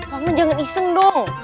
paman jangan iseng dong